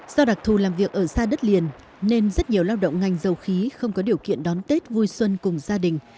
do đặc thù làm việc ở xa đất liền nên rất nhiều lao động ngành dầu khí không có điều kiện đón tết vui xuân cùng gia đình